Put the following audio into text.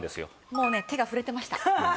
もうね手が触れてました。